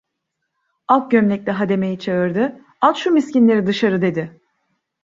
Ak gömlekli hademeyi çağırdı: "At şu miskinleri dışarı!" dedi.